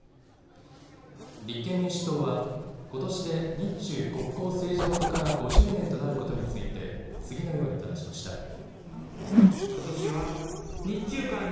立憲民主党はことしで日中国交正常化から５０年となることについて次のようにただしました。